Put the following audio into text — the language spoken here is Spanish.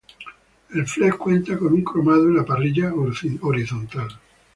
El Flex cuenta con un cromado en la parrilla horizontal.